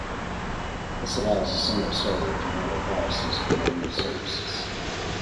This allows a single server to handle policies for many services.